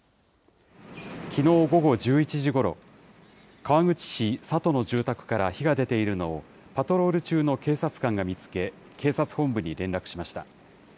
きのう午後１１時ごろ、川口市里の住宅から火が出ているのを、パトロール中の警察官が見つけ、警察本部に連絡しました。